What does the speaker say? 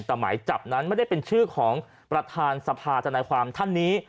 แต่หมายจับนั้นไม่ได้เป็นชื่อของประธานสภาธนายความท่านนี้